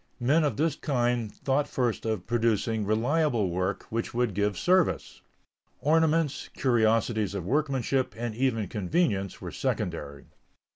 Men of this kind thought first of producing reliable work which would give service; ornaments, curiosities of workmanship, and even convenience, were secondary.